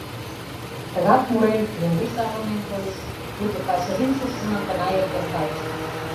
Тыгак мурен, мӧҥгеш савырнен тольыч, пуйто Качырин суртшымак гына эртен кайышт.